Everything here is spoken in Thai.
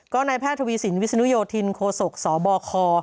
ก็นายแพทย์ทวีสินวิศนุโยธินโคศกสบค